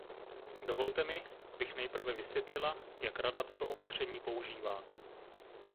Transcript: Dovolte mi, abych nejprve vysvětlila, jak Rada tato opatření používá.